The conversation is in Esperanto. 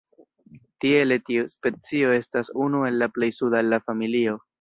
Tiele tiu specio estas unu el la plej suda el la familio.